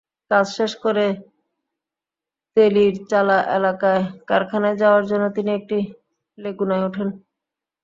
কাজ শেষ করে তেলিরচালা এলাকায় কারখানায় যাওয়ার জন্য তিনি একটি লেগুনায় ওঠেন।